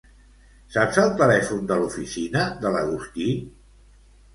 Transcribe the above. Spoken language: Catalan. Saps el telèfon de l'oficina de l'Agustí?